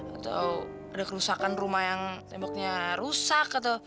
atau ada kerusakan rumah yang temboknya rusak gitu